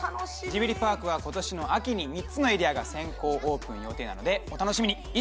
ジブリパークは今年の秋に３つのエリアが先行オープン予定なのでお楽しみに！